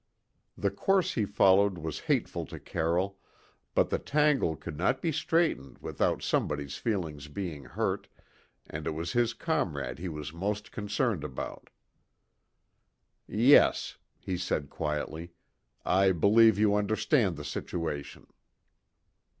The course he followed was hateful to Carroll, but the tangle could not be straightened without somebody's feelings being hurt, and it was his comrade he was most concerned about. "Yes," he said quietly; "I believe you understand the situation."